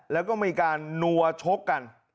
แล้วก็มีการนัวชกกัน